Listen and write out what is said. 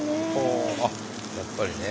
やっぱりね。